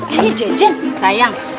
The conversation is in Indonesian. eh jejen sayang